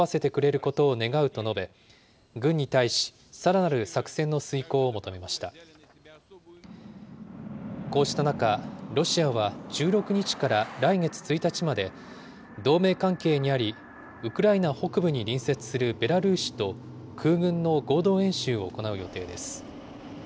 こうした中、ロシアは１６日から来月１日まで、同盟関係にあり、ウクライナ北部にある隣接するベラルーシと空軍の合同演習を行う予定です。